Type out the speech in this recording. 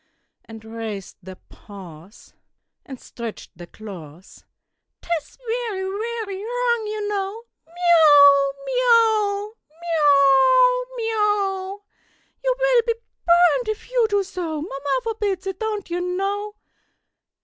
And rais'd their paws And stretch'd their claws; "'Tis very, very wrong, you know; Me ow, me o, me ow, me o! You will be burnt if you do so. Mamma forbids it, don't you know?"